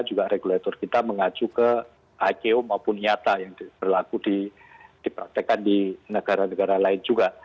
juga regulator kita mengacu ke iko maupun nyata yang berlaku dipraktekkan di negara negara lain juga